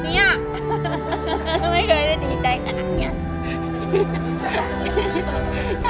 ร้องจาน